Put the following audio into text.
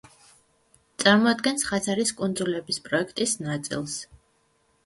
წარმოადგენს ხაზარის კუნძულების პროექტის ნაწილს.